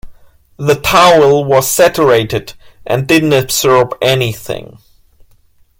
The towel was saturated and didn't absorb anything.